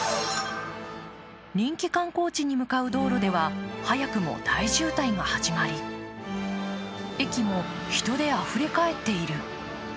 人気観光地に向かう道路では早くも大渋滞が始まり、駅も人であふれかえっている。